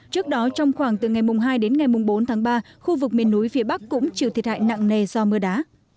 trước đó trong khoảng từ ngày hai đến ngày bốn tháng ba khu vực miền núi phía bắc cũng chịu thiệt hại nặng nề do mưa đá